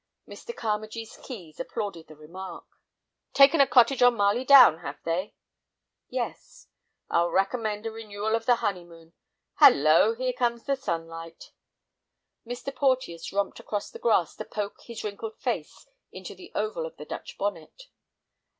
Mr. Carmagee's keys applauded the remark. "Taken a cottage on Marley Down, have they?" "Yes." "I'll recommend a renewal of the honeymoon. Hallo, here comes the sunlight." Mr. Porteus romped across the grass to poke his wrinkled face into the oval of the Dutch bonnet.